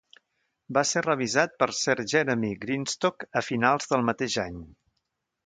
Va ser revisat per Sir Jeremy Greenstock a finals del mateix any.